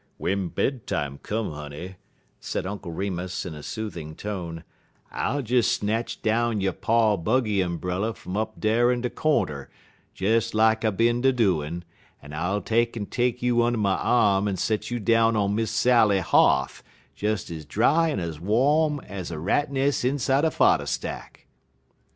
"W'en bed time come, honey," said Uncle Remus, in a soothing tone, "I'll des snatch down yo' pa buggy umbrell' fum up dar in de cornder, des lak I bin a doin', en I'll take'n take you und' my arm en set you down on Miss Sally h'a'th des ez dry en ez wom ez a rat' nes' inside a fodder stack."